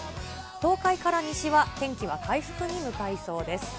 東海から西は天気は回復に向かいそうです。